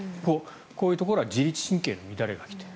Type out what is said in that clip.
こういうところは自律神経の乱れから来ている。